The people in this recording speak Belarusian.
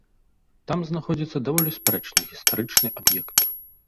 Там знаходзіцца даволі спрэчны гістарычны аб'ект.